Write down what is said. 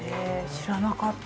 知らなかった。